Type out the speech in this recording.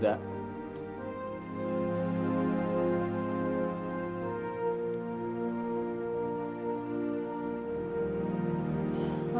dasar anak muda